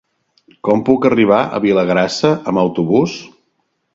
Com puc arribar a Vilagrassa amb autobús?